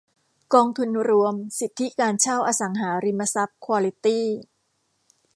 กองทุนรวมสิทธิการเช่าอสังหาริมทรัพย์ควอลิตี้